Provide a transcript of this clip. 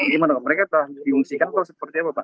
gimana pak mereka telah diungsikan atau seperti apa pak